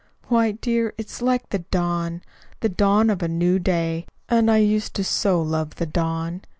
Why, dear, it's like the dawn the dawn of a new day. And I used to so love the dawn!